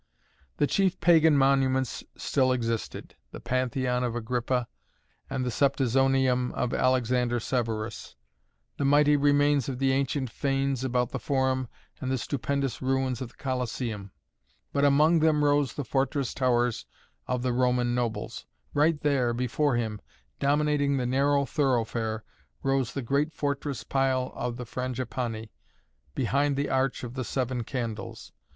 The chief pagan monuments still existed: the Pantheon of Agrippa and the Septizonium of Alexander Severus; the mighty remains of the ancient fanes about the Forum and the stupendous ruins of the Colosseum. But among them rose the fortress towers of the Roman nobles. Right there, before him, dominating the narrow thoroughfare, rose the great fortress pile of the Frangipani, behind the Arch of the Seven Candles.